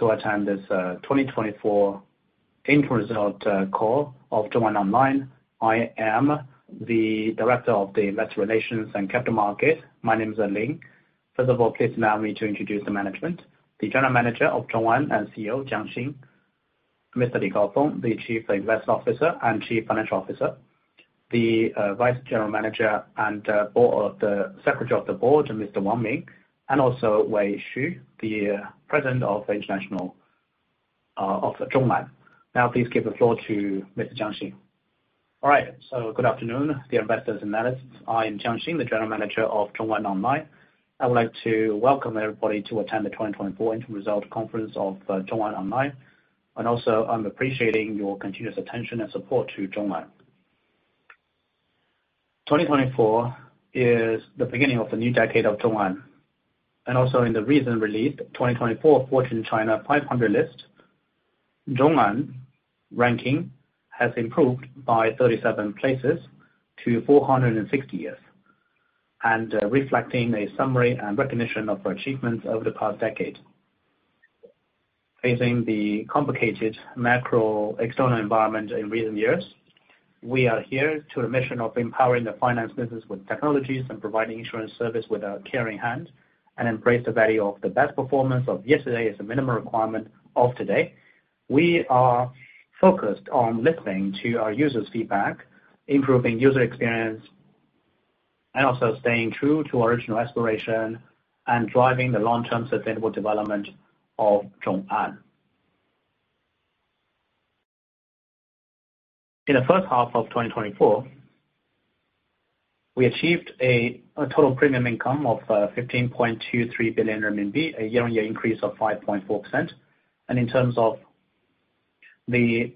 To attend this 2024 interim result call of ZhongAn Online. I am the Director of the Investor Relations and Capital Market. My name is Lin Zhang. First of all, please allow me to introduce the management, the General Manager of ZhongAn and CEO Jiang Xing. Mr. Li Gaofeng, the Chief Investment Officer and Chief Financial Officer. The Vice General Manager and Secretary of the Board, Mr. Wang Min, and also Wayne Xu, the President of ZhongAn International of ZhongAn. Now please give the floor to Mr. Jiang Xing. All right. Good afternoon, dear investors and analysts. I am Jiang Xing, the general manager of ZhongAn Online. I would like to welcome everybody to attend the 2024 interim result conference of ZhongAn Online. I'm appreciating your continuous attention and support to ZhongAn. 2024 is the beginning of the new decade of ZhongAn. In the recent release, 2024 Fortune China 500 list, ZhongAn ranking has improved by 37 places to 460, reflecting a summary and recognition of our achievements over the past decade. Facing the complicated macro external environment in recent years, we are here to a mission of empowering the finance business with technologies and providing insurance service with a caring hand, and embrace the value of the best performance of yesterday as a minimum requirement of today. We are focused on listening to our users' feedback, improving user experience, staying true to our original aspiration, and driving the long-term sustainable development of ZhongAn. In the first half of 2024, we achieved a total premium income of 15.23 billion RMB, a year-on-year increase of 5.4%. In terms of the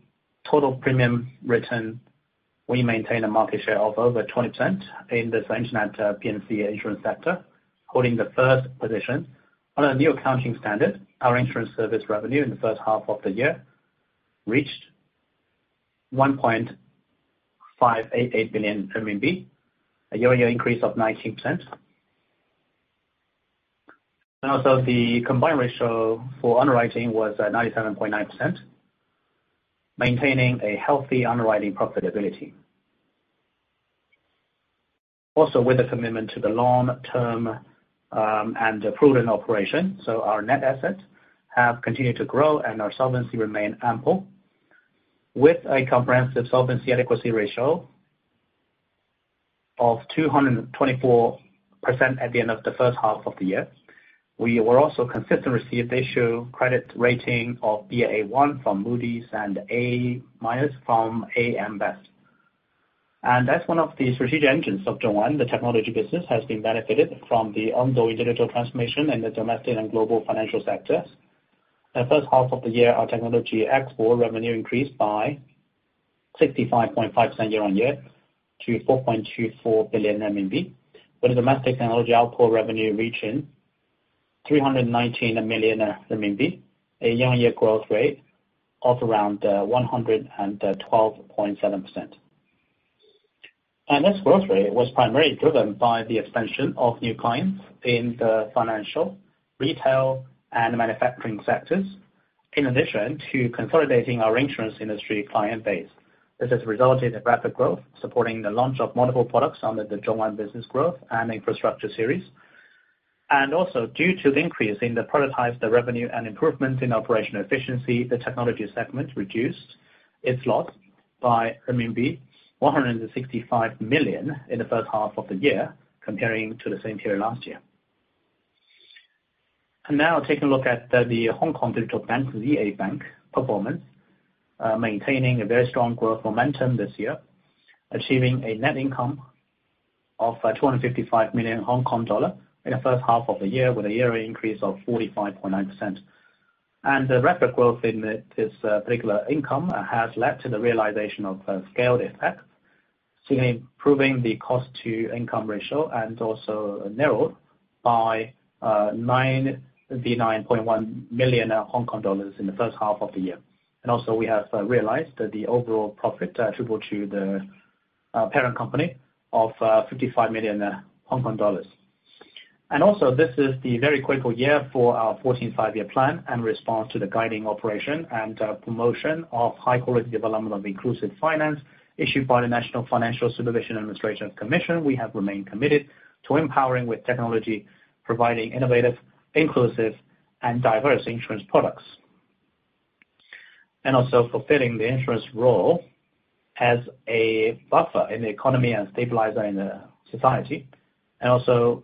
total premium return, we maintain a market share of over 20% in this internet P&C insurance sector, holding the first position. Under new accounting standard, our insurance service revenue in the first half of the year reached 1.588 billion RMB, a year-on-year increase of 19%. The combined ratio for underwriting was at 97.9%, maintaining a healthy underwriting profitability. Also with a commitment to the long term and proven operation. Our net assets have continued to grow and our solvency remain ample, with a comprehensive solvency adequacy ratio of 224% at the end of the first half of the year. We were also consistently received issue credit rating of Baa1 from Moody's and A- from AM Best. As one of the strategic engines of ZhongAn, the Technology business has been benefited from the ongoing digital transformation in the domestic and global financial sectors. The first half of the year, our Technology export revenue increased by 65.5% year-on-year to 4.24 billion, with the domestic Technology output revenue reaching 319 million RMB, a year-on-year growth rate of around 112.7%. This growth rate was primarily driven by the expansion of new clients in the financial, retail, and manufacturing sectors, in addition to consolidating our insurance industry client base. This has resulted in rapid growth, supporting the launch of multiple products under the ZhongAn business growth and infrastructure series. Due to the increase in the productized revenue and improvement in operational efficiency, the Technology segment reduced its loss by RMB 165 million in the first half of the year, comparing to the same period last year. Now taking a look at the Hong Kong Digital Bank, ZA Bank performance, maintaining a very strong growth momentum this year. Achieving a net income of HK$255 million in the first half of the year with a yearly increase of 45.9%. The rapid growth in this particular income has led to the realization of scale effect, significantly improving the cost-to-income ratio. Also narrowed by HK$99.1 million in the first half of the year. We have realized that the overall profit attributable to the parent company of HK$55 million. This is the very critical year for our 14th Five-Year Plan and response to the guiding operation and promotion of high quality development of inclusive finance issued by the National Financial Regulatory Administration. We have remained committed to empowering with technology, providing innovative, inclusive, and diverse insurance products. Fulfilling the insurance role as a buffer in the economy and stabilizer in the society.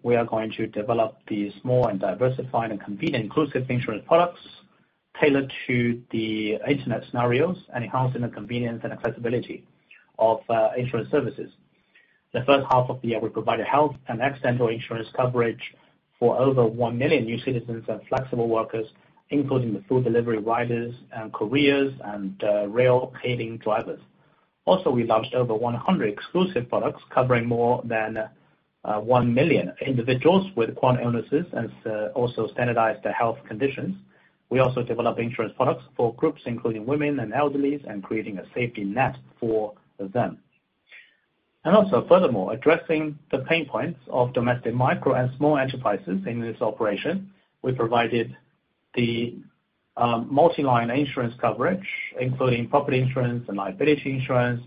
We are going to develop these small and diversified and convenient inclusive insurance products tailored to the internet scenarios, enhancing the convenience and accessibility of insurance services. The first half of the year, we provided health and accidental insurance coverage for over 1 million new citizens and flexible workers, including the food delivery riders and couriers and ride-hailing drivers. Also, we launched over 100 exclusive products covering more than 1 million individuals with chronic illnesses, and also standardized health conditions. We also develop insurance products for groups including women and elderlies, and creating a safety net for them. Furthermore, addressing the pain points of domestic micro and small enterprises in this operation, we provided the multi-line insurance coverage, including property insurance and liability insurance,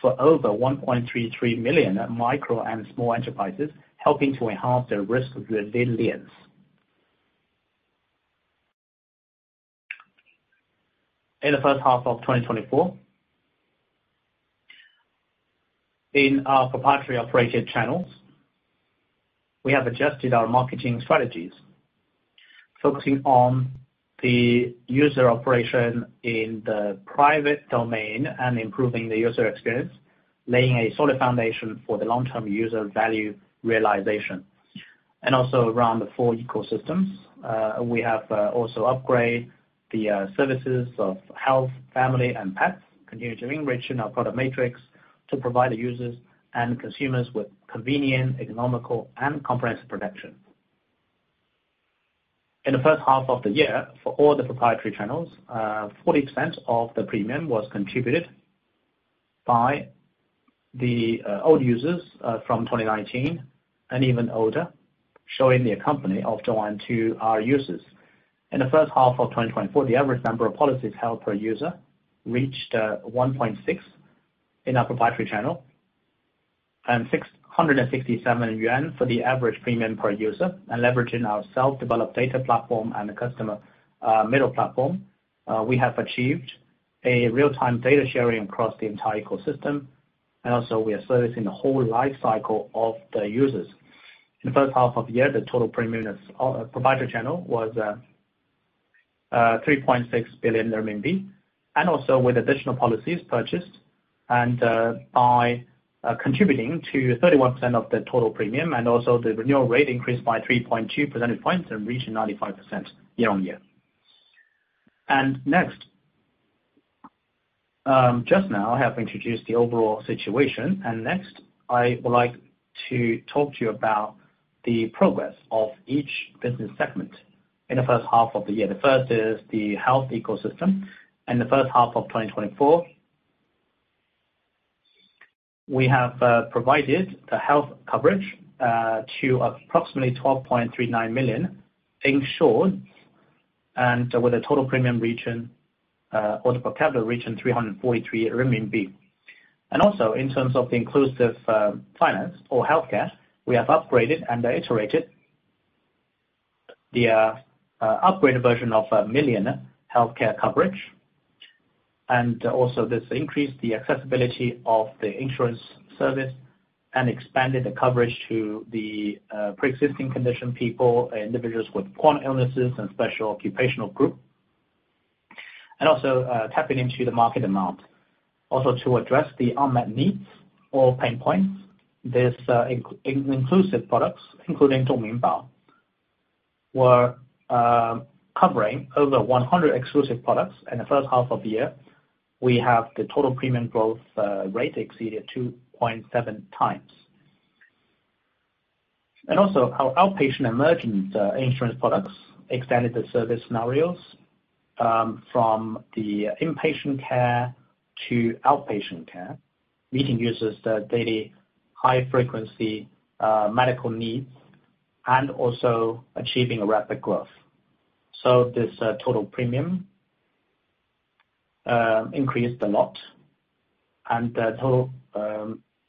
for over 1.33 million micro and small enterprises, helping to enhance their risk resilience. In the first half of 2024, in our proprietary operated channels, we have adjusted our marketing strategies, focusing on the user operation in the private domain and improving the user experience, laying a solid foundation for the long-term user value realization. Around the four ecosystems, we have also upgrade the services of health, family, and pets, continue to enrich our product matrix to provide the users and consumers with convenient, economical and comprehensive protection. In the first half of the year, for all the proprietary channels, 40% of the premium was contributed by the old users from 2019 and even older, showing the company of ZhongAn to our users. In the first half of 2024, the average number of policies held per user reached 1.6 in our proprietary channel, and 667 yuan for the average premium per user. Leveraging our self-developed data platform and the customer middle platform, we have achieved a real-time data sharing across the entire ecosystem. We are servicing the whole life cycle of the users. In the first half of the year, the total premium provider channel was 3.6 billion RMB. With additional policies purchased and by contributing to 31% of the total premium, the renewal rate increased by 3.2 percentage points and reached 95% year-on-year. Next. Just now, I have introduced the overall situation. Next I would like to talk to you about the progress of each business segment in the first half of the year. The first is the Health Ecosystem. In the first half of 2024, we have provided the health coverage to approximately 12.39 million insured, with the total premium or the portfolio reaching 343 million RMB. Also in terms of inclusive finance or healthcare, we have upgraded and iterated the upgraded version of a million healthcare coverage, this increased the accessibility of the insurance service and expanded the coverage to the pre-existing condition people, individuals with chronic illnesses and special occupational group. Also tapping into the market amount. Also to address the unmet needs or pain points, this inclusive products, including Zhongmin Bao, were covering over 100 exclusive products in the first half of the year. We have the total premium growth rate exceeded 2.7 times. Our outpatient emergent insurance products extended the service scenarios from the inpatient care to outpatient care, meeting users' daily high frequency medical needs achieving rapid growth. This total premium increased a lot, the total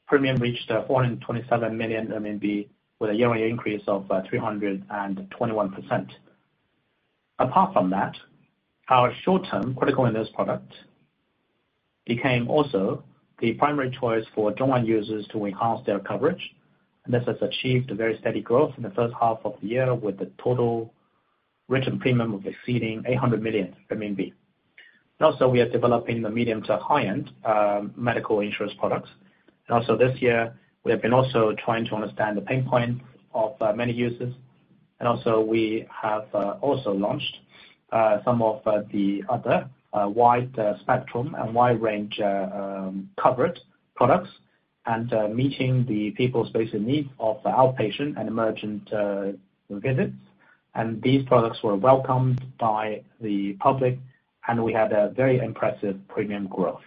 premium reached 427 million RMB with a yearly increase of 321%. Apart from that, our short-term critical illness product became also the primary choice for ZhongAn users to enhance their coverage. This has achieved a very steady growth in the first half of the year with the total written premium of exceeding 800 million RMB. Also we are developing the medium to high-end medical insurance products. Also this year, we have been also trying to understand the pain points of many users. Also we have also launched some of the other wide spectrum and wide range covered products, meeting the people's basic needs of outpatient and emergent visits. These products were welcomed by the public, we had a very impressive premium growth.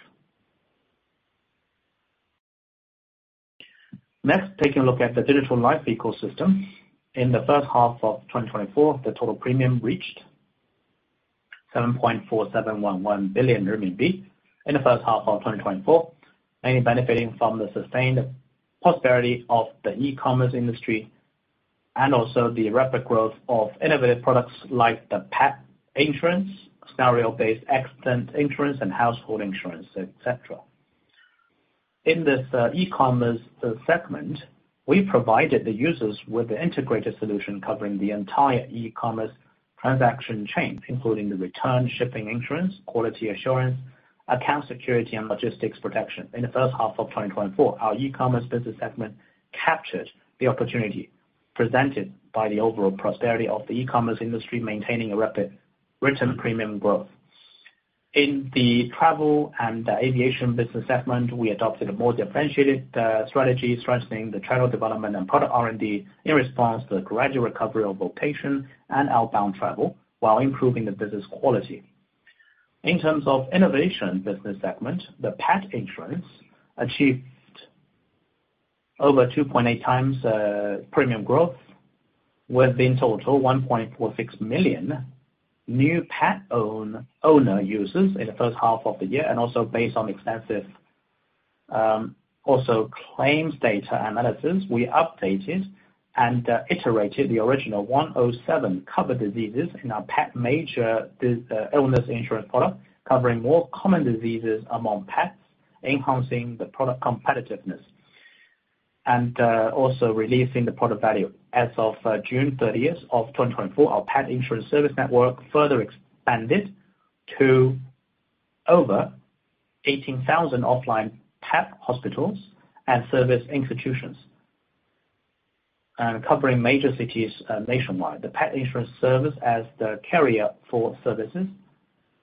Next, taking a look at the Digital Life Ecosystem. In the first half of 2024, the total premium reached CNY 7.4711 billion. In the first half of 2024, mainly benefiting from the sustained prosperity of the e-commerce industry the rapid growth of innovative products like the pet insurance, scenario-based accident insurance and household insurance, et cetera. In this e-commerce segment, we provided the users with the integrated solution covering the entire e-commerce transaction chain, including the return shipping insurance, quality assurance, account security, and logistics protection. In the first half of 2024, our e-commerce business segment captured the opportunity presented by the overall prosperity of the e-commerce industry, maintaining a rapid written premium growth. In the travel and aviation business segment, we adopted a more differentiated strategy, strengthening the travel development and product R&D in response to the gradual recovery of location and outbound travel while improving the business quality. In terms of innovation business segment, the pet insurance achieved over 2.8 times premium growth, with in total 1.46 million new pet owner users in the first half of the year. Based on extensive claims data analysis, we updated and iterated the original 107 covered diseases in our pet major illness insurance product, covering more common diseases among pets, enhancing the product competitiveness, releasing the product value. As of June 30, 2024, our pet insurance service network further expanded to over 18,000 offline pet hospitals and service institutions, covering major cities nationwide. The pet insurance service as the carrier for services,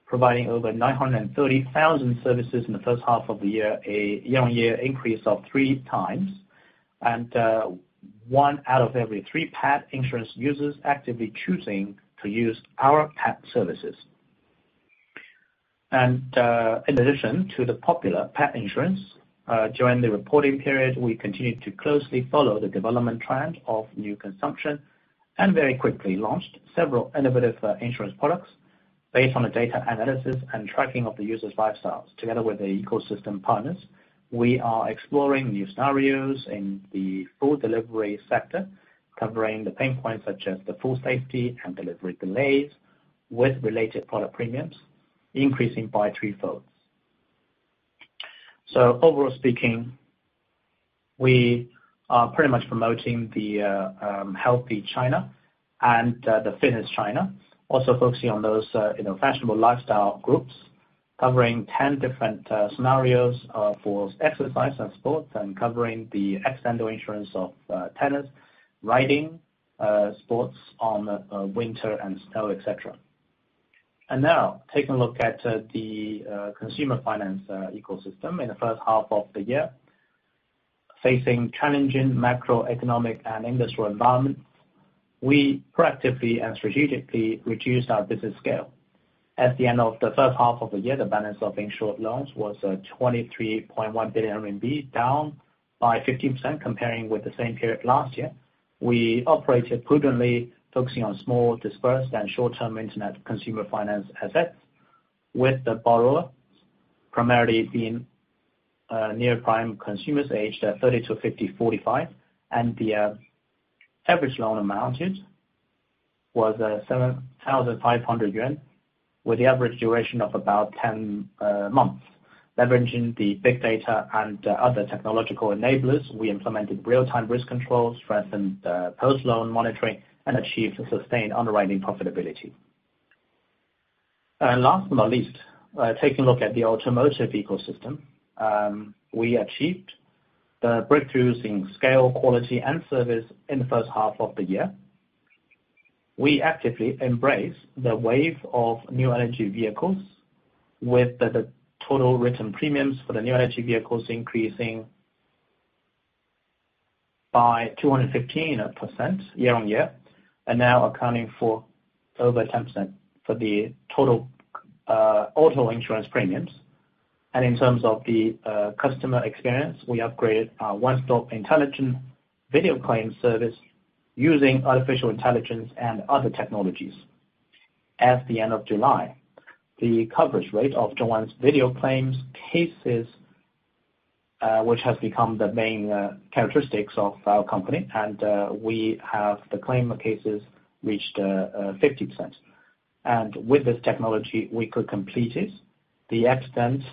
providing over 930,000 services in the first half of the year, a year-on-year increase of three times. One out of every three pet insurance users actively choosing to use our pet services. In addition to the popular pet insurance, during the reporting period, we continued to closely follow the development trend of new consumption, and very quickly launched several innovative insurance products based on the data analysis and tracking of the users' lifestyles. Together with the ecosystem partners, we are exploring new scenarios in the food delivery sector, covering the pain points such as the food safety and delivery delays, with related product premiums increasing by three-folds. Overall speaking, we are pretty much promoting the Healthy China and the Fittest China. Also focusing on those fashionable lifestyle groups, covering 10 different scenarios for exercise and sports, and covering the accidental insurance of tennis, riding, sports on winter and snow, et cetera. Now, taking a look at the Consumer Finance Ecosystem. In the first half of the year, facing challenging macroeconomic and industrial environment, we proactively and strategically reduced our business scale. At the end of the first half of the year, the balance of insured loans was 23.1 billion RMB, down by 15% comparing with the same period last year. We operated prudently, focusing on small, dispersed, and short-term internet Consumer Finance assets, with the borrowers primarily being near-prime consumers aged 3050, 45, and the average loan amount was 7,500 yuan, with the average duration of about 10 months. Leveraging the big data and other technological enablers, we implemented real-time risk controls, strengthened post-loan monitoring, and achieved sustained underwriting profitability. Last but not least, taking a look at the Automotive Ecosystem. We achieved the breakthroughs in scale, quality, and service in the first half of the year. We actively embrace the wave of new energy vehicles, with the total written premiums for the new energy vehicles increasing by 215% year-on-year, and now accounting for over 10% for the total auto insurance premiums. In terms of the customer experience, we upgraded our one-stop intelligent video claim service using artificial intelligence and other technologies. At the end of July, the coverage rate of ZhongAn's video claims cases which has become the main characteristics of our company, and we have the claim cases reached 50%. With this technology, we could complete the accident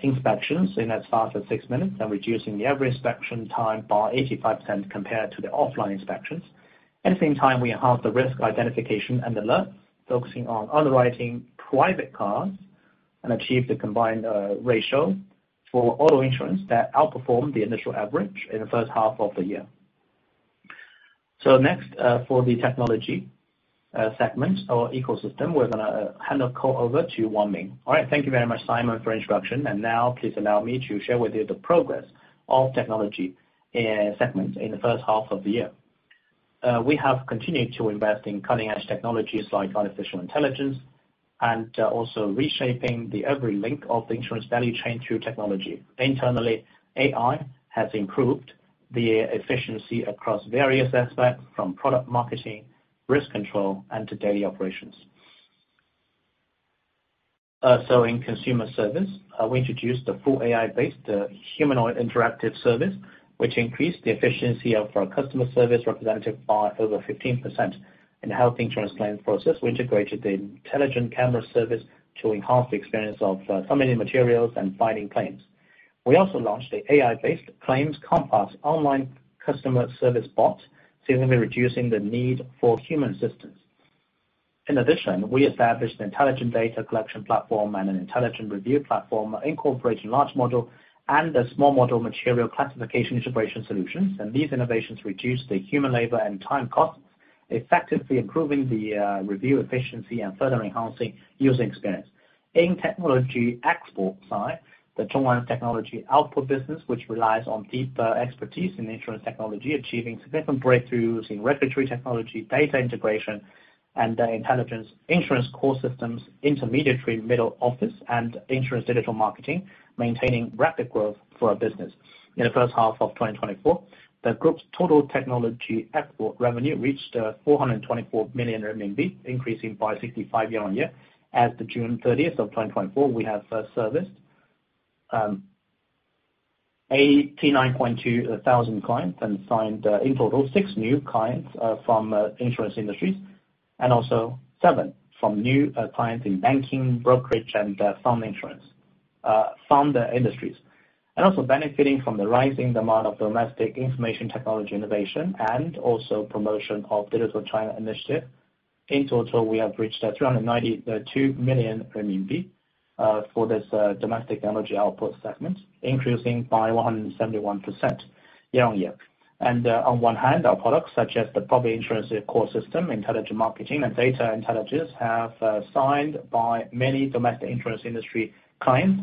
inspections in as fast as six minutes and reducing the average inspection time by 85% compared to the offline inspections. At the same time, we enhanced the risk identification and alert, focusing on underwriting private cars, and achieved a combined ratio for auto insurance that outperformed the initial average in the first half of the year. Next, for the Technology segment or ecosystem, we're going to hand call over to Wang Min. All right, thank you very much, Simon, for introduction. Now please allow me to share with you the progress of Technology segments in the first half of the year. We have continued to invest in cutting-edge technologies like artificial intelligence and also reshaping the every link of the insurance value chain through technology. Internally, AI has improved the efficiency across various aspects, from product marketing, risk control, and to daily operations. In consumer service, we introduced the full AI-based humanoid interactive service, which increased the efficiency of our customer service representative by over 15%. In the health insurance claim process, we integrated the intelligent camera service to enhance the experience of submitting materials and filing claims. We also launched the AI-based claims complex online customer service bot, significantly reducing the need for human assistance. In addition, we established an intelligent data collection platform and an intelligent review platform incorporating large model and a small model material classification integration solutions. These innovations reduce the human labor and time cost, effectively improving the review efficiency and further enhancing user experience. In Technology export side, the ZhongAn technology output business, which relies on deep expertise in insurance technology, achieving significant breakthroughs in regulatory technology, data integration, and intelligence insurance core systems, intermediary middle office, and insurance digital marketing, maintaining rapid growth for our business. In the first half of 2024, the group's total Technology export revenue reached 424 million RMB, increasing by 65% year-on-year. As of June 30, 2024, we have serviced 892,000 clients and signed, in total, six new clients from insurance industries, and also seven from new clients in banking, brokerage, and some insurance founder industries. Benefiting from the rising demand of domestic information technology innovation and also promotion of Digital China initiative. In total, we have reached 392 million RMB for this Domestic Energy Output segment, increasing by 171% year-on-year. On one hand, our products such as the property insurance core system, intelligent marketing, and data intelligence have signed by many domestic insurance industry clients.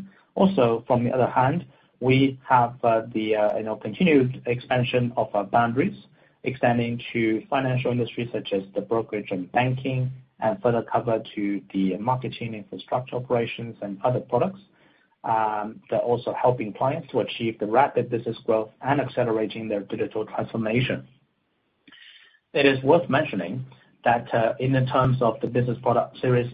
From the other hand, we have the continued expansion of our boundaries, extending to financial industries such as brokerage and banking, and further cover to the marketing infrastructure operations and other products, that are also helping clients to achieve the rapid business growth and accelerating their digital transformation. It is worth mentioning that in the terms of the business product series,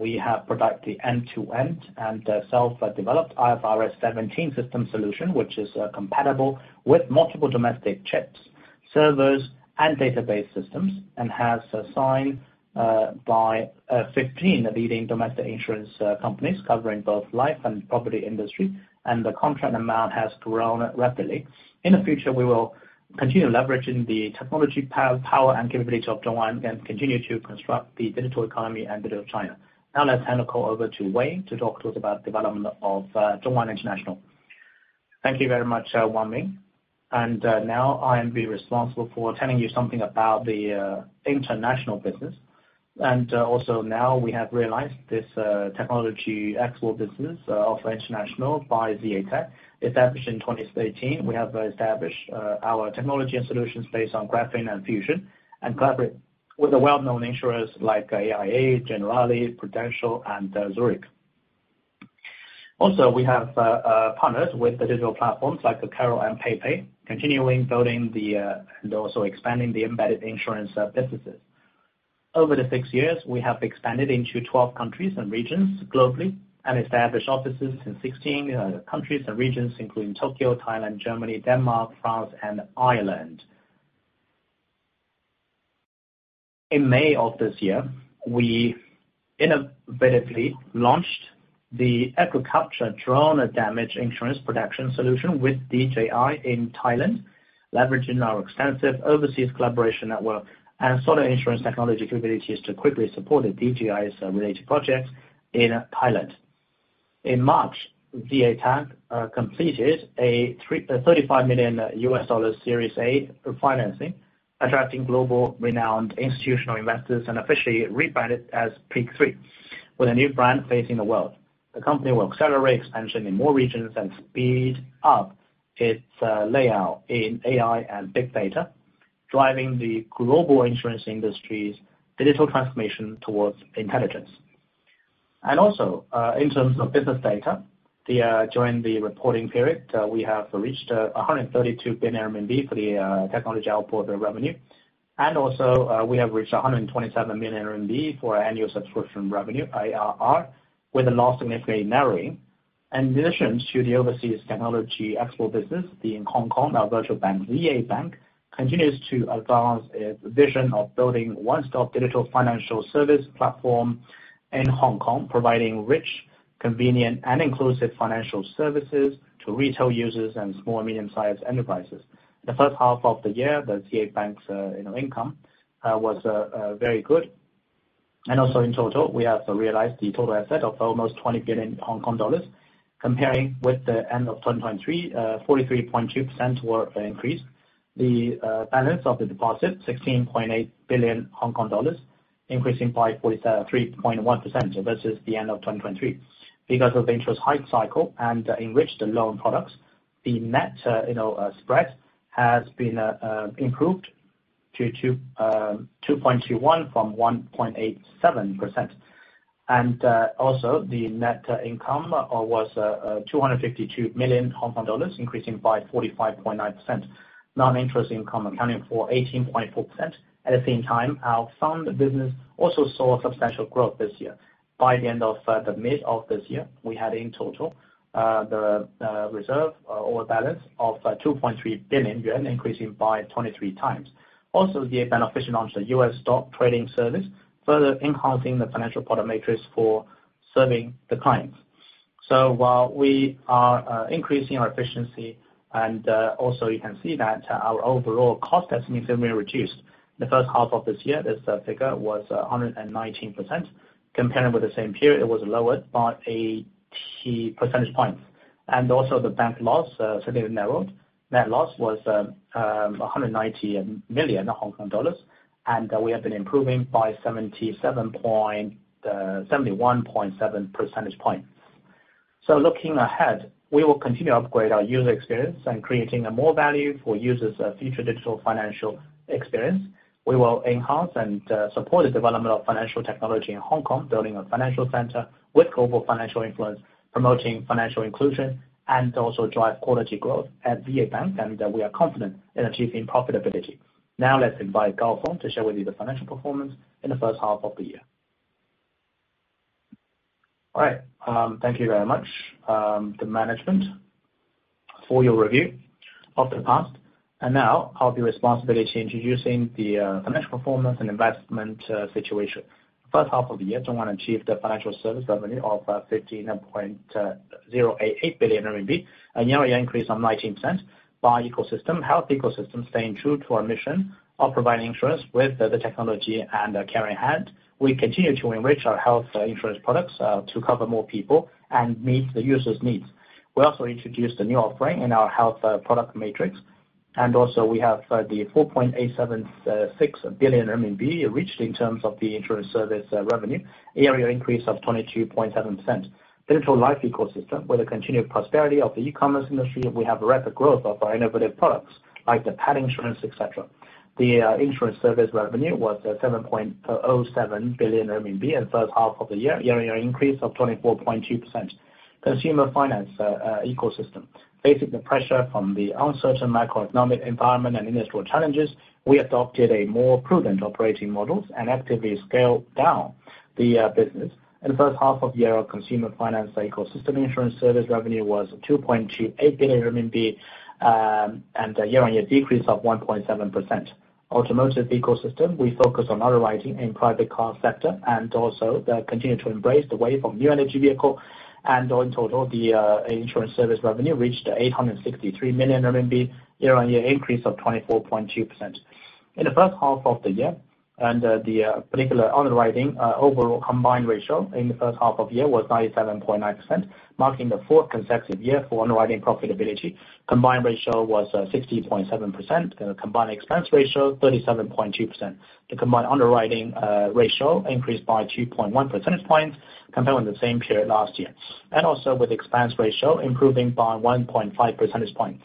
we have produced the end-to-end and self-developed IFRS 17 system solution, which is compatible with multiple domestic chips, servers, and database systems, and has signed by 15 leading domestic insurance companies covering both life and property industry, and the contract amount has grown rapidly. In the future, we will continue leveraging the technology power and capabilities of ZhongAn and continue to construct the digital economy and Digital China. Now let's hand call over to Wayne to talk to us about development of ZhongAn International. Thank you very much, Wang Min. Now I will be responsible for telling you something about the international business. Now we have realized this Technology export business of international by ZA Tech. Established in 2018, we have established our technology and solutions based on Graphene and Fusion, and collaborate with a well-known insurers like AIA, Generali, Prudential, and Zurich. We have partners with the digital platforms like Kakao and PaiPai, continuing building and also expanding the embedded insurance businesses. Over the six years, we have expanded into 12 countries and regions globally, and established offices in 16 countries and regions, including Tokyo, Thailand, Germany, Denmark, France, and Ireland. In May of this year, we innovatively launched the agriculture drone damage insurance production solution with DJI in Thailand, leveraging our extensive overseas collaboration network and sort of insurance technology capabilities to quickly support the DJI's related projects in pilot. In March, ZA Tech completed a $35 million U.S. Series A financing, attracting global renowned institutional investors and officially rebranded as Peak3. With a new brand facing the world. The company will accelerate expansion in more regions and speed up its layout in AI and big data, driving the global insurance industry's digital transformation towards intelligence. In terms of business data, during the reporting period, we have reached 132 billion RMB for the Technology output revenue. We have reached 127 million RMB for our annual subscription revenue, ARR, with a loss significantly narrowing. In addition to the overseas Technology export business, in Hong Kong, our virtual bank, ZA Bank, continues to advance its vision of building one-stop digital financial service platform in Hong Kong, providing rich, convenient, and inclusive financial services to retail users and small-medium-sized enterprises. The first half of the year, the ZA Bank's income was very good. In total, we have realized the total asset of almost HK$ 20 billion, comparing with the end of 2023, 43.2% were increased. The balance of the deposit, HK$ 16.8 billion, increasing by 43.1% versus the end of 2023. Because of interest height cycle and enriched loan products, the net interest spread has been improved to 2.21% from 1.87%. The net income was HK$ 252 million, increasing by 45.9%. Non-interest income accounting for 18.4%. At the same time, our fund business also saw substantial growth this year. By the end of the mid of this year, we had in total the reserve or balance of 2.3 billion yuan, increasing by 23 times. Also, the beneficial launch of U.S. stock trading service, further enhancing the financial product matrix for serving the clients. While we are increasing our efficiency, you can see that our overall cost has significantly reduced. The first half of this year, this figure was 119%. Comparing with the same period, it was lowered by a key percentage points. The bank loss significantly narrowed. Net loss was 190 million Hong Kong dollars. We have been improving by 71.7 percentage points. Looking ahead, we will continue to upgrade our user experience and creating a more value for users' future digital financial experience. We will enhance and support the development of financial technology in Hong Kong, building a financial center with global financial influence, promoting financial inclusion, and drive quality growth at ZA Bank, and we are confident in achieving profitability. Now let's invite Gaofeng to share with you the financial performance in the first half of the year. All right. Thank you very much, the management, for your review of the past. Now I have the responsibility introducing the financial performance and investment situation. First half of the year, ZhongAn achieved a financial service revenue of 15.08 billion RMB, a year-on-year increase of 19% by ecosystem. Health Ecosystem staying true to our mission of providing insurance with the technology and a caring hand. We continue to enrich our health insurance products to cover more people and meet the users' needs. We also introduced a new offering in our health product matrix. We also have the 4.876 billion RMB reached in terms of the insurance service revenue, a year-on-year increase of 22.7%. Digital Life Ecosystem. With the continued prosperity of the e-commerce industry, we have rapid growth of our innovative products like the pet insurance, et cetera. The insurance service revenue was 7.07 billion RMB in the first half of the year-on-year increase of 24.2%. Consumer Finance Ecosystem. Facing the pressure from the uncertain macroeconomic environment and industrial challenges, we adopted a more prudent operating model and actively scaled down the business. In the first half of the year, our Consumer Finance Ecosystem insurance service revenue was 2.28 billion RMB, a year-on-year decrease of 1.7%. Automotive Ecosystem. We focus on underwriting in the private car sector and continue to embrace the wave of new energy vehicle. In total, the insurance service revenue reached 863 million RMB, year-on-year increase of 24.2%. In the first half of the year, the particular underwriting overall combined ratio in the first half of the year was 97.9%, marking the fourth consecutive year for underwriting profitability. Combined ratio was 60.7%. Combined expense ratio 37.2%. The combined underwriting ratio increased by 2.1 percentage points compared with the same period last year. With expense ratio improving by 1.5 percentage points.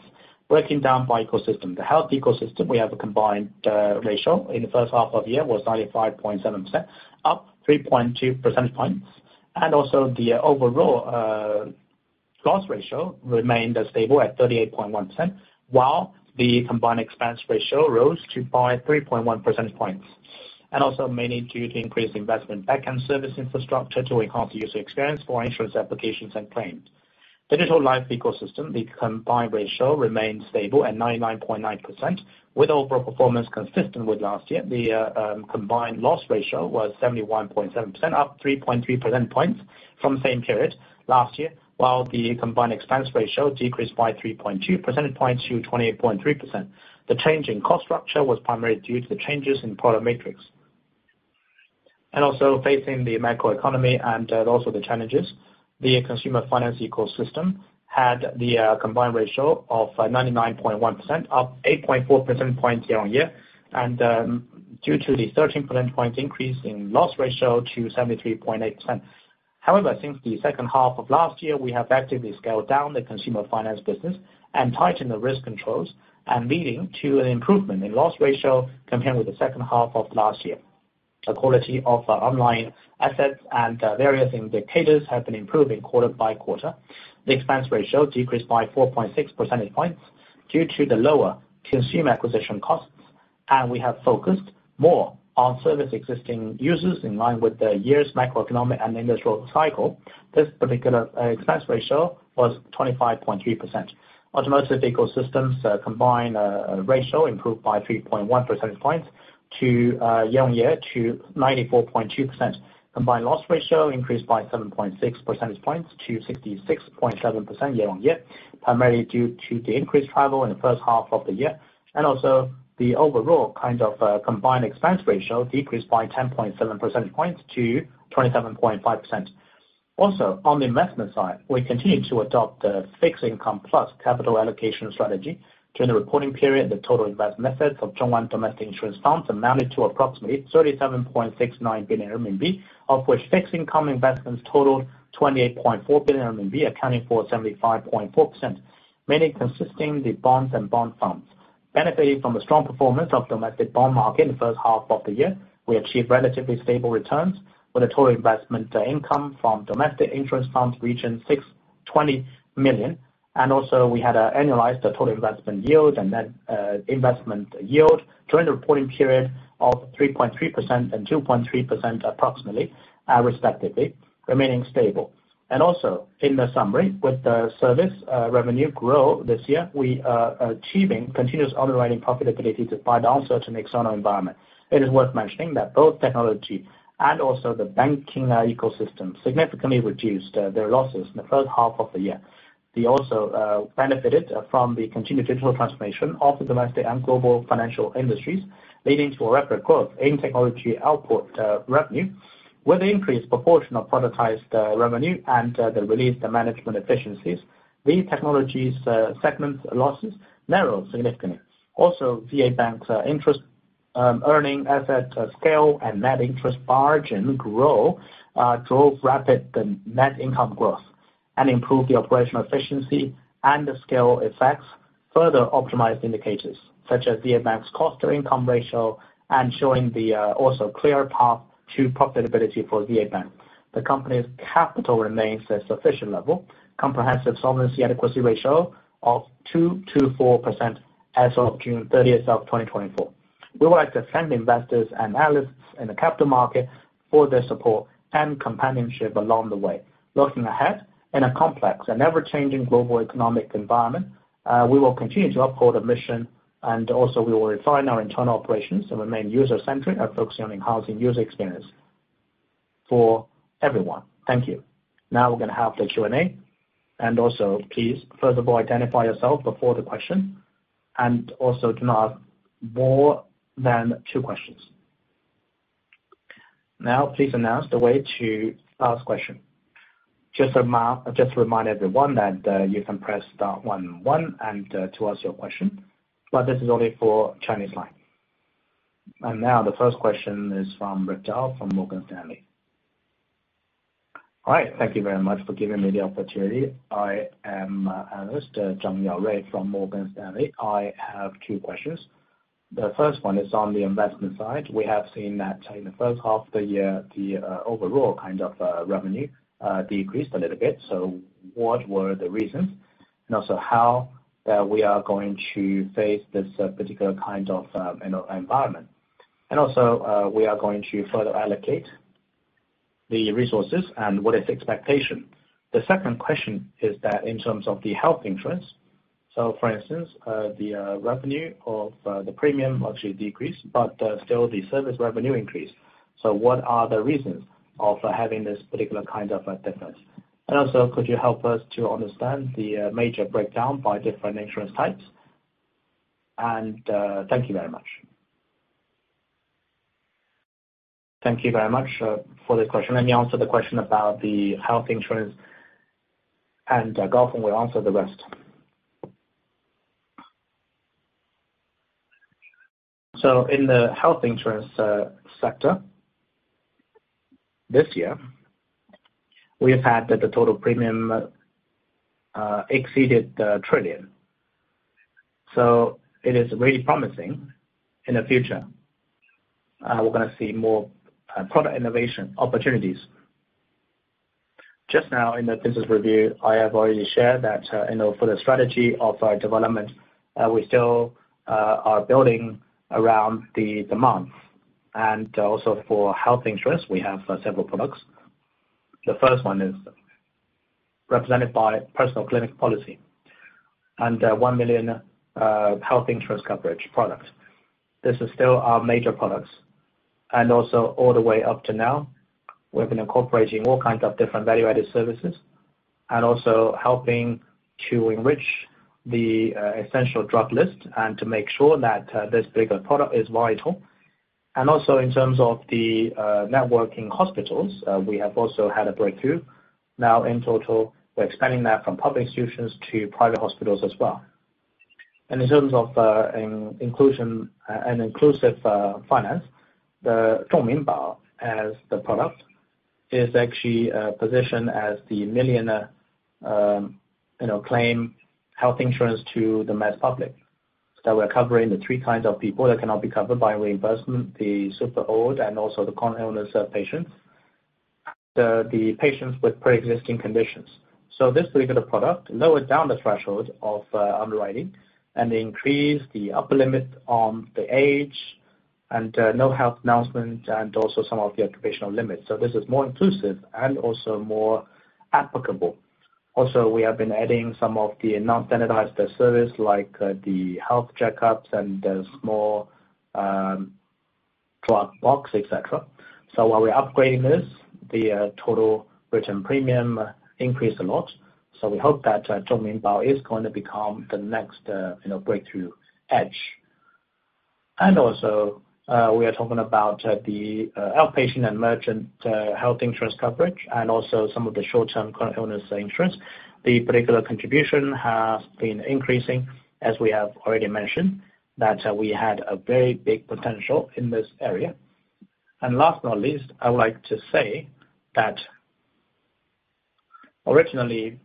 Breaking down by ecosystem. The Health Ecosystem had a combined ratio in the first half of the year of 95.7%, up 3.2 percentage points. The overall loss ratio remained stable at 38.1%, while the combined expense ratio rose by 3.1 percentage points. Mainly due to increased investment backend service infrastructure to enhance user experience for insurance applications and claims. Digital Life Ecosystem. The combined ratio remains stable at 99.9%, with overall performance consistent with last year. The combined loss ratio was 71.7%, up 3.3 percentage points from the same period last year, while the combined expense ratio decreased by 3.2 percentage points to 28.3%. The change in cost structure was primarily due to the changes in product matrix. Facing the macroeconomy and the challenges, the Consumer Finance Ecosystem had a combined ratio of 99.1%, up 8.4 percentage points year-on-year, due to the 13 percentage points increase in loss ratio to 73.8%. However, since the second half of last year, we have actively scaled down the Consumer Finance business and tightened the risk controls, leading to an improvement in loss ratio compared with the second half of last year. The quality of online assets and various indicators have been improving quarter by quarter. The expense ratio decreased by 4.6 percentage points due to the lower consumer acquisition costs. We have focused more on servicing existing users in line with the year's macroeconomic and industrial cycle. This particular expense ratio was 25.3%. Automotive Ecosystem's combined ratio improved by 3.1 percentage points year-on-year to 94.2%. Combined loss ratio increased by 7.6 percentage points to 66.7% year-on-year, primarily due to the increased travel in the first half of the year. The overall combined expense ratio decreased by 10.7 percentage points to 27.5%. Also, on the investment side, we continue to adopt the fixed income plus capital allocation strategy. During the reporting period, the total investment assets of ZhongAn domestic insurance funds amounted to approximately 37.69 billion RMB, of which fixed income investments totaled 28.4 billion RMB, accounting for 75.4%, mainly consisting the bonds and bond funds. Benefiting from the strong performance of domestic bond market in the first half of the year, we achieved relatively stable returns with the total investment income from domestic insurance funds reaching 620 million. We had annualized the total investment yield and net investment yield during the reporting period of 3.3% and 2.3%, approximately, respectively, remaining stable. In the summary, with the service revenue growth this year, we are achieving continuous underwriting profitability despite the uncertain external environment. It is worth mentioning that both Technology and also the Banking ecosystem significantly reduced their losses in the first half of the year. We also benefited from the continued digital transformation of the domestic and global financial industries, leading to a rapid growth in Technology output revenue With the increased proportion of productized revenue and the release the management efficiencies, the technologies segment losses narrowed significantly. ZA Bank's interest earning asset scale and net interest margin growth drove rapid net income growth and improved the operational efficiency, and the scale effects further optimized indicators, such as ZA Bank's cost-to-income ratio and showing the also clear path to profitability for ZA Bank. The company's capital remains at sufficient level, comprehensive solvency adequacy ratio of 2%, 4% as of June 30, 2024. We would like to thank the investors and analysts in the capital market for their support and companionship along the way. Looking ahead, in a complex and ever-changing global economic environment, we will continue to uphold our mission and also we will refine our internal operations and remain user-centric and focusing on enhancing user experience for everyone. Thank you. We're going to have the Q&A, please, first of all, identify yourself before the question, do not ask more than two questions. Please announce the way to ask question. Just to remind everyone that you can press star one one to ask your question, but this is only for Chinese line. The first question is from Rick Zhao, from Morgan Stanley. All right. Thank you very much for giving me the opportunity. I am analyst, Zhang Yao Rick from Morgan Stanley. I have two questions. The first one is on the investment side. We have seen that in the first half the year, the overall revenue decreased a little bit. What were the reasons? How we are going to face this particular kind of environment. We are going to further allocate the resources and what is expectation. The second question is that in terms of the health insurance, for instance, the revenue of the premium actually decreased, but still the service revenue increased. What are the reasons of having this particular kind of a difference? Could you help us to understand the major breakdown by different insurance types? Thank you very much. Thank you very much for the question. Let me answer the question about the health insurance and Gaofeng will answer the rest. In the health insurance sector this year, we have had that the total premium exceeded 1 trillion. It is really promising in the future. We are going to see more product innovation opportunities. Just now in the business review, I have already shared that for the strategy of our development, we still are building around the demand. For health insurance, we have several products. The first one is represented by personal clinic policy and 1 million health insurance coverage products. This is still our major products. All the way up to now, we have been incorporating all kinds of different value-added services and also helping to enrich the essential drug list and to make sure that this bigger product is vital. In terms of the networking hospitals, we have also had a breakthrough. In total, we are expanding that from public institutions to private hospitals as well. In terms of inclusive finance, the Zhongmin Bao as the product, is actually positioned as the millionaire claim health insurance to the mass public. We are covering the three kinds of people that cannot be covered by reimbursement, the super old, and also the chronic illness patients. The patients with preexisting conditions. This particular product lowered down the threshold of underwriting and increased the upper limit on the age and no health announcement and also some of the occupational limits. This is more inclusive and also more applicable. Also, we have been adding some of the non-standardized service, like the health checkups and the small drug box, et cetera. While we are upgrading this, the total written premium increased a lot. We hope that Zhongmin Bao is going to become the next breakthrough edge. We are talking about the outpatient and merchant health insurance coverage, and also some of the short-term chronic illness insurance. The particular contribution has been increasing, as we have already mentioned, that we had a very big potential in this area. Last but not least, I would like to say that originally,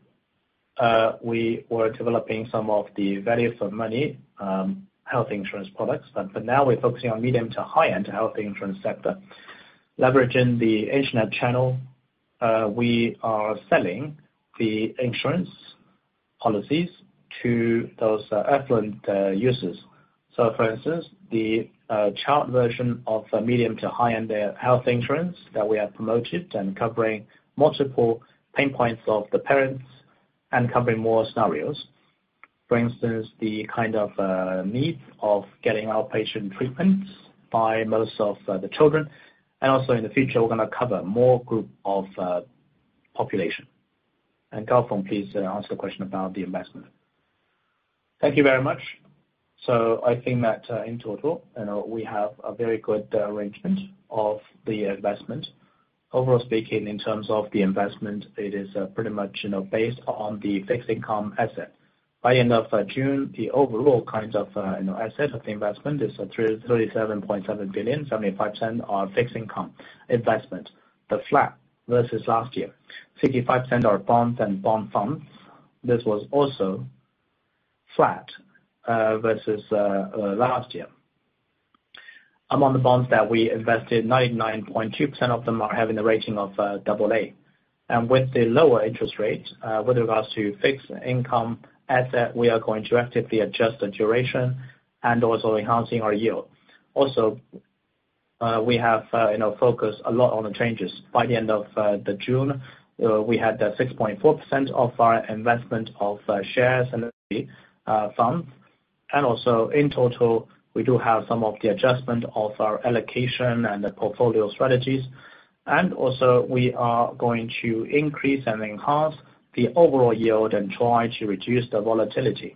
we were developing some of the values of money health insurance products. For now, we are focusing on medium to high-end health insurance sector. Leveraging the internet channel, we are selling the insurance policies to those affluent users. For instance, the chart version of medium to high-end health insurance that we have promoted and covering multiple pain points of the parents and covering more scenarios. For instance, the kind of needs of getting outpatient treatments by most of the children. In the future, we are going to cover more group of population. Gaofeng, please answer the question about the investment. Thank you very much. I think that in total, we have a very good arrangement of the investment. Overall speaking, in terms of the investment, it is pretty much based on the fixed income asset. By the end of June, the overall kinds of asset of the investment is 37.7 billion, 75% on fixed income investment, but flat versus last year. 55% are bonds and bond funds. This was also flat versus last year. Among the bonds that we invested, 99.2% of them are having a rating of AA. With the lower interest rates, with regards to fixed income asset, we are going to actively adjust the duration and also enhancing our yield. Also, we have focused a lot on the changes. By the end of June, we had 6.4% of our investment of shares and funds. In total, we do have some of the adjustment of our allocation and the portfolio strategies. We are going to increase and enhance the overall yield and try to reduce the volatility.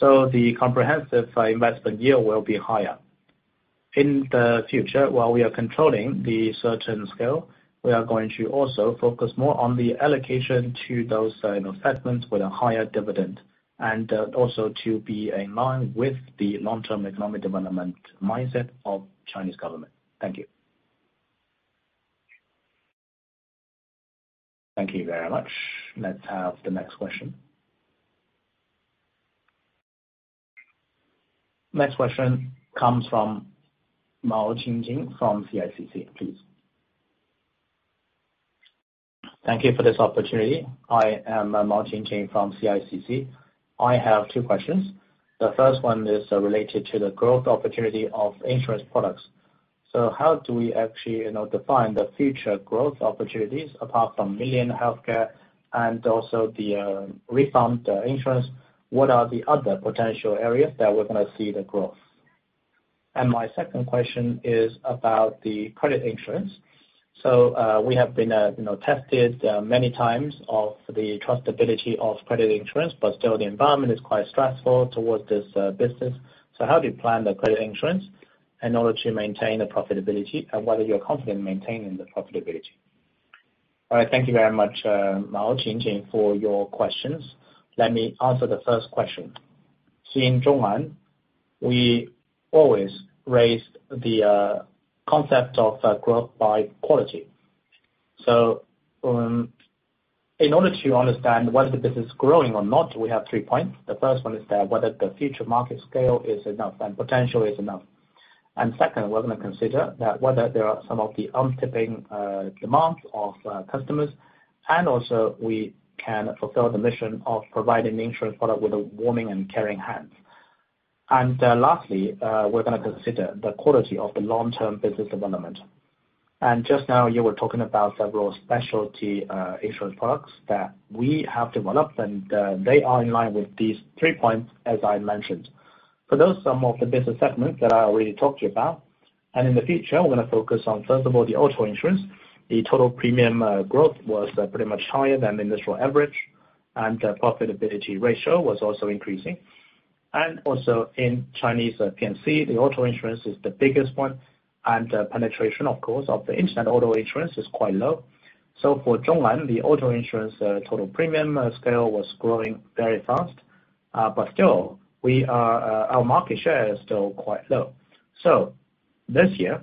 The comprehensive investment yield will be higher. In the future, while we are controlling the certain scale, we are going to also focus more on the allocation to those segments with a higher dividend, to be in line with the long-term economic development mindset of Chinese government. Thank you. Thank you very much. Let's have the next question. Next question comes from Mao Ching-jing from CICC, please. Thank you for this opportunity. I am Mao Qingqing from CICC. I have two questions. The first one is related to the growth opportunity of insurance products. How do we actually define the future growth opportunities apart from million healthcare and also the refund insurance? What are the other potential areas that we're going to see the growth? My second question is about the credit insurance. We have been tested many times of the trustability of credit insurance, but still the environment is quite stressful towards this business. How do you plan the credit insurance in order to maintain the profitability, and whether you're confident maintaining the profitability? All right. Thank you very much, Mao Ching-jing, for your questions. Let me answer the first question. See, in ZhongAn, we always raised the concept of growth by quality. In order to understand whether the business is growing or not, we have three points. The first one is that whether the future market scale is enough and potential is enough. Second, we're going to consider that whether there are some of the untipping demand of customers, we can fulfill the mission of providing insurance product with a warming and caring hand. Lastly, we're going to consider the quality of the long-term business development. Just now, you were talking about several specialty insurance products that we have developed, and they are in line with these three points, as I mentioned. For those, some of the business segments that I already talked to you about. In the future, we're going to focus on, first of all, the auto insurance. The total premium growth was pretty much higher than the initial average, and profitability ratio was also increasing. In Chinese, you can see the auto insurance is the biggest one. Penetration, of course, of the internet auto insurance is quite low. For ZhongAn, the auto insurance total premium scale was growing very fast. Still, our market share is still quite low. This year,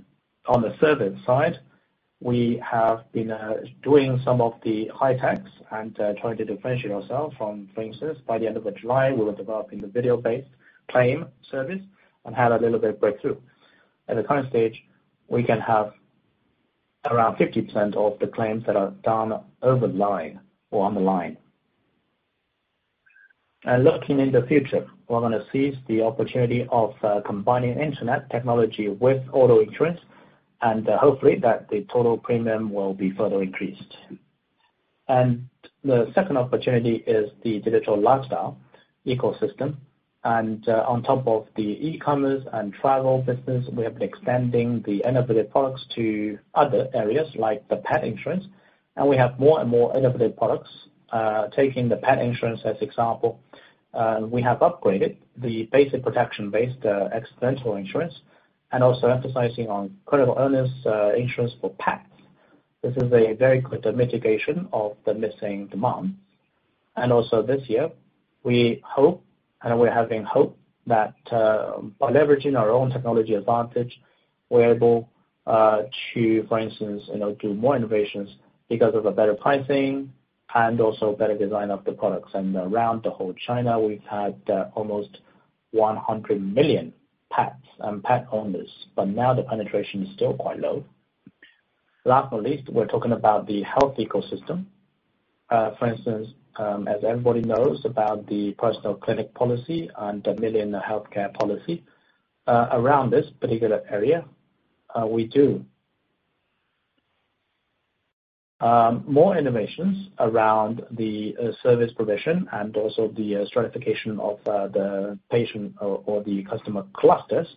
on the service side, we have been doing some of the high-techs and trying to differentiate ourselves from, for instance, by the end of the July, we were developing the video-based claim service and had a little bit of breakthrough. At the current stage, we can have around 50% of the claims that are done over the line or on the line. Looking in the future, we're going to seize the opportunity of combining internet technology with auto insurance, and hopefully that the total premium will be further increased. The second opportunity is the Digital Lifestyle Ecosystem. On top of the e-commerce and travel business, we have been extending the innovative products to other areas like the pet insurance, and we have more and more innovative products. Taking the pet insurance as example, we have upgraded the basic protection-based accidental insurance and also emphasizing on critical illness insurance for pets. This is a very good mitigation of the missing demand. Also this year, we hope and we're having hope that by leveraging our own technology advantage, we're able to, for instance, do more innovations because of a better pricing and also better design of the products. Around the whole China, we've had almost 100 million pets and pet owners, but now the penetration is still quite low. Last but least, we're talking about the Health Ecosystem. For instance, as everybody knows about the personal clinic policy and the million healthcare policy. Around this particular area, we do more innovations around the service provision and also the stratification of Patient or the customer clusters.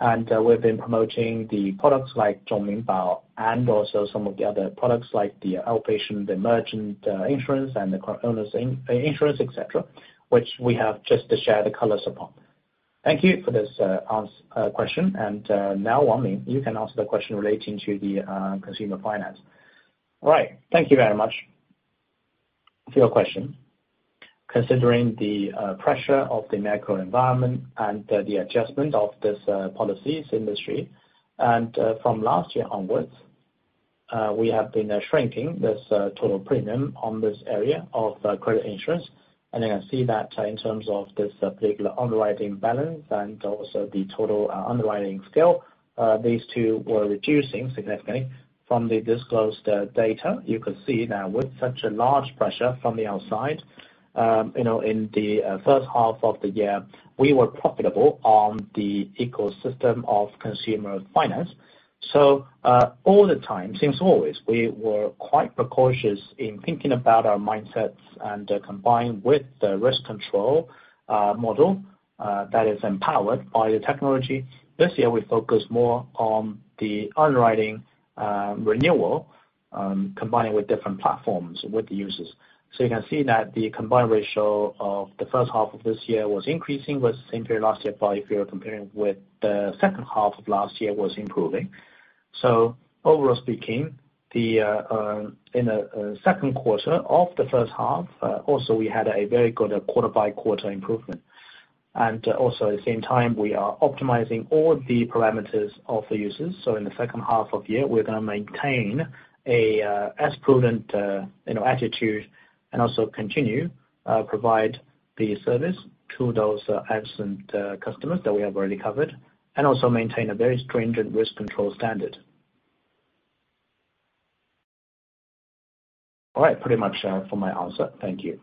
We've been promoting the products like Zhongmin Bao and also some of the other products like the outpatient, the merchant insurance, and the car owners insurance, et cetera, which we have just shared the colors upon. Thank you for this question. Now, Wang Min, you can answer the question relating to the Consumer Finance. Right. Thank you very much for your question. Considering the pressure of the macro environment and the adjustment of this policies industry, and from last year onwards, we have been shrinking this total premium on this area of credit insurance. You can see that in terms of this particular underwriting balance and also the total underwriting scale, these two were reducing significantly from the disclosed data. You could see now with such a large pressure from the outside, in the first half of the year, we were profitable on the ecosystem of Consumer Finance. All the time, since always, we were quite precautious in thinking about our mindsets and combined with the risk control model that is empowered by the technology. This year, we focus more on the underwriting renewal, combining with different platforms with the users. You can see that the combined ratio of the first half of this year was increasing with the same period last year. If you're comparing with the second half of last year was improving. Overall speaking, in the second quarter of the first half, also we had a very good quarter-by-quarter improvement. Also at the same time, we are optimizing all the parameters of the users. In the second half of the year, we're going to maintain a prudent attitude and also continue provide the service to those absent customers that we have already covered, and also maintain a very stringent risk control standard. All right, pretty much for my answer. Thank you.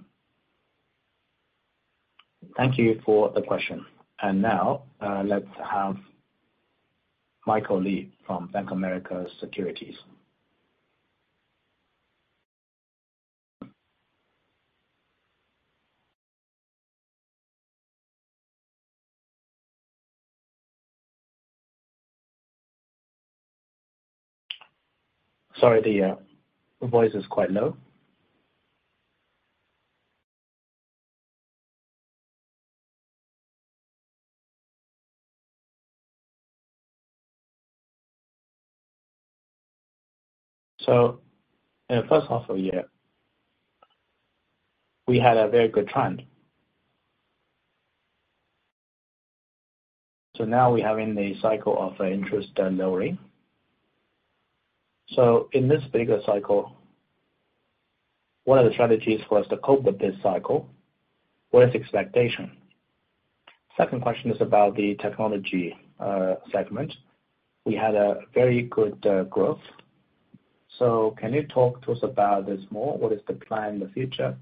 Thank you for the question. Now, let's have Michael Li from Bank of America Securities. Sorry, the voice is quite low. In the first half of the year, we had a very good trend. Now we are in the cycle of interest lowering. In this bigger cycle, what are the strategies for us to cope with this cycle? What is expectation? Second question is about the Technology segment. We had a very good growth. Can you talk to us about this more? What is the plan in the future?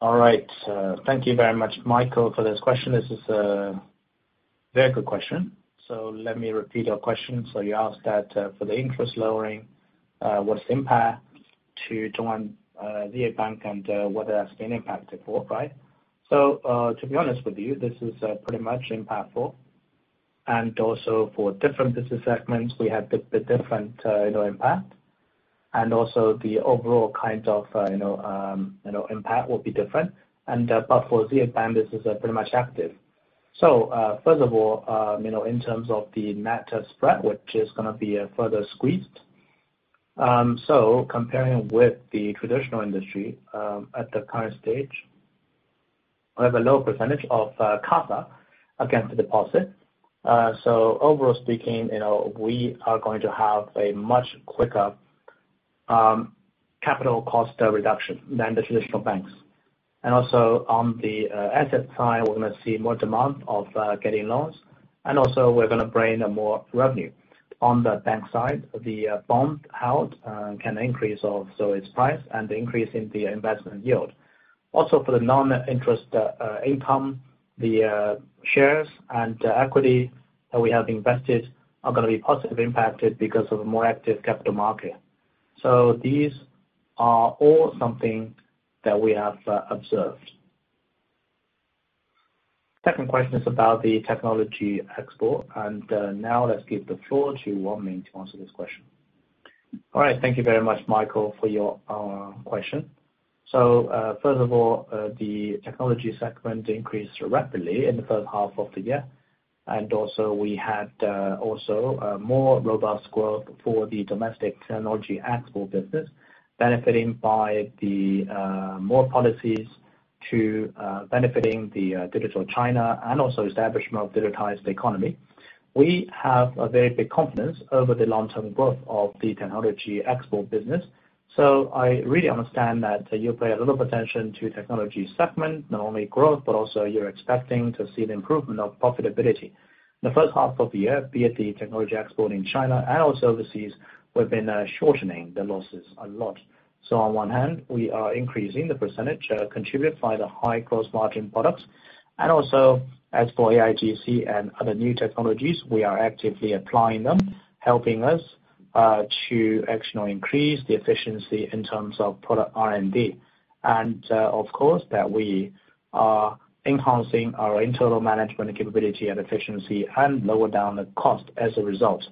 All right. Thank you very much, Michael, for this question. This is a very good question. Let me repeat your question. You asked that for the interest lowering, what is the impact to ZA Bank, and what has been impacted for, right? To be honest with you, this is pretty much impactful. For different business segments, we have different impact. The overall impact will be different. For ZA Bank, this is pretty much active. First of all, in terms of the net spread, which is going to be further squeezed. Comparing with the traditional industry, at the current stage, we have a low percentage of CASA against the deposit. Overall speaking, we are going to have a much quicker capital cost reduction than the traditional banks. On the asset side, we are going to see more demand of getting loans. We are going to bring more revenue. On the bank side, the bond held can increase also its price and increase in the investment yield. Also for the non-interest income, the shares and equity that we have invested are going to be positively impacted because of a more active capital market. These are all something that we have observed. Second question is about the Technology export. Now let's give the floor to Wang Min to answer this question. All right. Thank you very much, Michael, for your question. First of all, the Technology segment increased rapidly in the first half of the year. We had also a more robust growth for the domestic Technology export business, benefiting by the more policies to benefiting the Digital China and establishment of digitized economy. We have a very big confidence over the long-term growth of the Technology export business. I really understand that you pay a lot of attention to Technology segment, not only growth, but you are expecting to see an improvement of profitability. The first half of the year, be it the Technology export in China and also overseas, we have been shortening the losses a lot. On one hand, we are increasing the percentage contributed by the high gross margin products. As for AIGC and other new technologies, we are actively applying them, helping us to actually increase the efficiency in terms of product R&D. Of course, that we are enhancing our internal management capability and efficiency and lower down the cost as a result.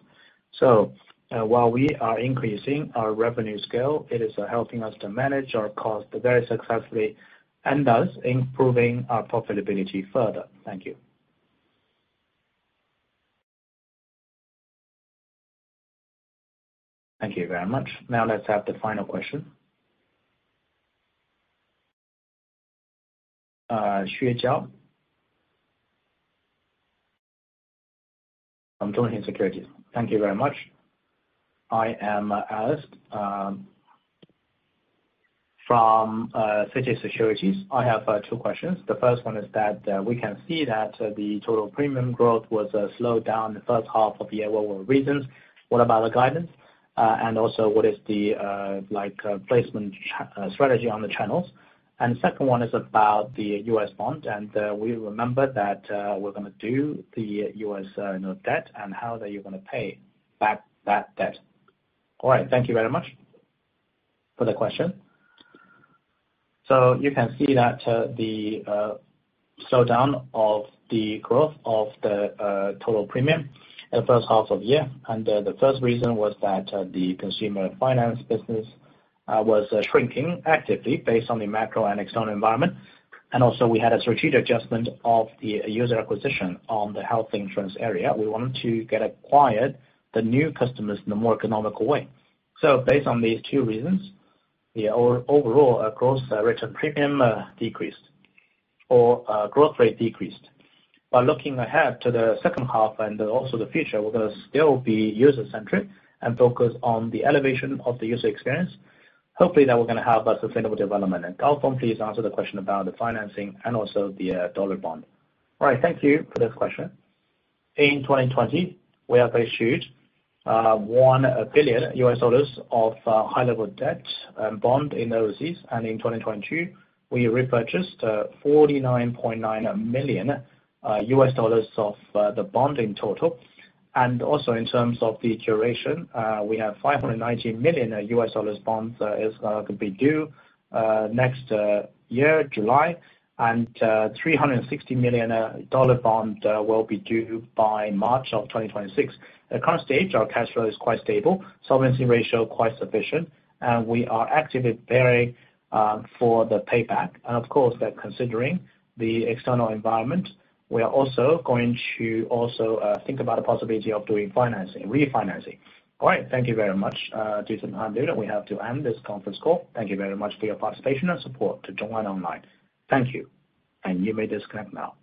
While we are increasing our revenue scale, it is helping us to manage our cost very successfully and thus improving our profitability further. Thank you. Thank you very much. Now let's have the final question. Xue Zhao from Zhongtai Securities. Thank you very much. I am [Alice] from Citi Securities. I have two questions. The first one is that we can see that the total premium growth was slowed down the first half of the year. What were reasons? What about the guidance? What is the placement strategy on the channels? Second one is about the U.S. bond, and we remember that we are going to do the U.S. note debt and how are you going to pay back that debt? All right. Thank you very much for the question. You can see that the slowdown of the growth of the total premium in the first half of the year. The first reason was that the consumer finance business was shrinking actively based on the macro and external environment. We had a strategic adjustment of the user acquisition on the health insurance area. We wanted to get acquired the new customers in a more economical way. Based on these two reasons, our overall gross written premium decreased or growth rate decreased. Looking ahead to the second half and also the future, we're going to still be user-centric and focus on the elevation of the user experience. Hopefully, that we're going to have a sustainable development. Gaofeng please answer the question about the financing and also the dollar bond. Right. Thank you for this question. In 2020, we have issued $1 billion of high level debt bond in overseas. In 2022, we repurchased $49.9 million of the bond in total. In terms of the duration, we have $590 million bonds is going to be due next year, July, and $360 million bond will be due by March of 2026. At current stage, our cash flow is quite stable, solvency ratio quite sufficient. We are actively preparing for the payback. Considering the external environment, we are also going to think about the possibility of doing refinancing. All right. Thank you very much. Due to time limit, we have to end this conference call. Thank you very much for your participation and support to ZhongAn Online. Thank you. You may disconnect now.